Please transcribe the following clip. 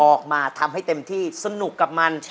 ออกมาทำให้เต็มที่สนุกกับมัน